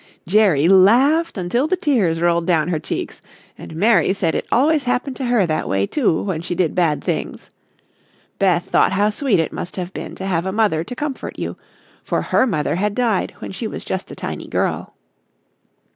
"] Jerry laughed until the tears rolled down her cheeks, and Mary said it always happened to her that way, too, when she did bad things. Beth thought how sweet it must have been to have a mother to comfort you, for her mother had died when she was just a tiny girl.